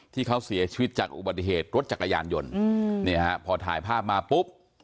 ที่เขาเสียชีวิตจากอุบัติเหตุรถจักรยานยนต์เนี่ยฮะพอถ่ายภาพมาปุ๊บ